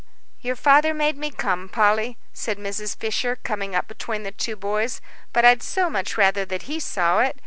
"Your father made me come, Polly," said Mrs. Fisher, coming up between the two boys. "But I'd so much rather that he saw it."